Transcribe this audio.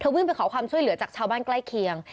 วิ่งไปขอความช่วยเหลือจากชาวบ้านใกล้เคียง